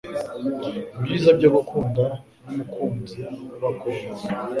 Ibyiza byo gukunda n'umukunzi uba kure yawe